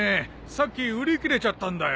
さっき売り切れちゃったんだよ。